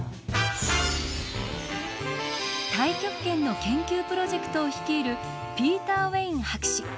太極拳の研究プロジェクトを率いるピーター・ウェイン博士。